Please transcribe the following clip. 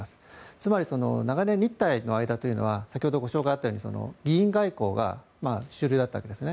つまり、長年日台の間というのは先ほどご紹介があったように議員外交が主流だったわけですね。